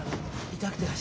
痛くて足。